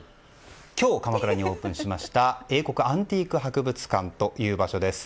今日、鎌倉にオープンしました英国アンティーク博物館という場所です。